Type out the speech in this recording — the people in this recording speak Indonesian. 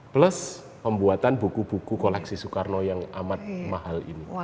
plus pembuatan buku buku koleksi soekarno yang amat mahal ini